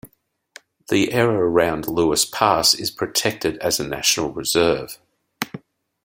The area around Lewis Pass is protected as a national reserve.